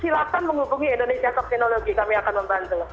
silakan menghubungi indonesia toksinologi kami akan membantu